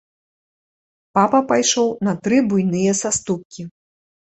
Папа пайшоў на тры буйныя саступкі.